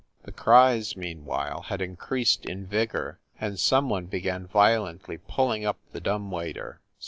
The cries, meanwhile, had increased in vigor, and some one began violently pulling up the dumb waiter.